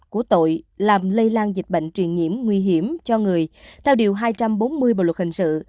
của tội làm lây lan dịch bệnh truyền nhiễm nguy hiểm cho người theo điều hai trăm bốn mươi bộ luật hình sự